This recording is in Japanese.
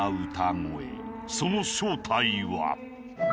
［その正体は］